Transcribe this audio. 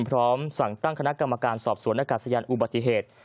พร้อมสั่งตั้งคณะกรรมการสอบสวนอากาศยานอุบัติเหตุ